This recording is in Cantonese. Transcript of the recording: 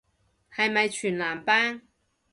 係咪全男班